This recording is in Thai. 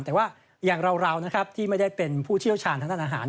แต่ว่าอย่างเรานะครับที่ไม่ได้เป็นผู้เชี่ยวชาญทางด้านอาหาร